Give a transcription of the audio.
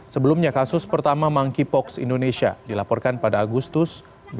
sebelumnya kasus pertama monkeypox indonesia dilaporkan pada agustus dua ribu dua puluh